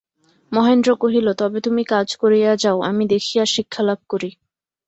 মহেন্দ্র কহিল, তবে তুমি কাজ করিয়া যাও, আমি দেখিয়া শিক্ষালাভ করি।